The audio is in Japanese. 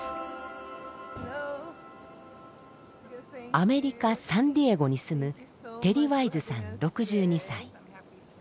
アメリカ・サンディエゴに住むテリ・ワイズさん６２歳。